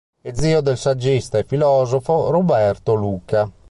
È zio del saggista e filosofo Roberto Luca.